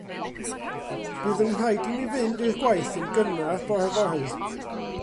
Bydd yn rhaid i mi fynd i'r gwaith yn gynnar bore fory.